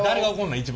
一番。